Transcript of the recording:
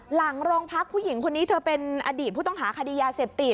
หลังโรงพักผู้หญิงคนนี้เธอเป็นอดีตผู้ต้องหาคดียาเสพติด